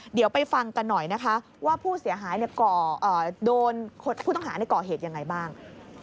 เดี๋ยวไปฟังกันหน่อยนะคะว่าผู้เสียหายโดนผู้ต้องหาในก่อเหตุยังไงบ้าง